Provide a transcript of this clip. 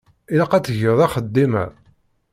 Ilaq ad tgeḍ axeddim-a.